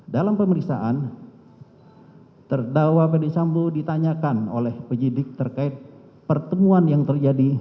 dalam pemeriksaan terdakwa ferdisambo ditanyakan oleh penyidik terkait pertemuan yang terjadi